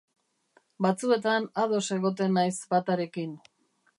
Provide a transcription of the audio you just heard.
Batzuetan ados egoten naiz batarekin.